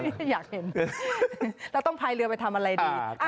อยากเห็นเราต้องพายเรือไปทำอะไรดี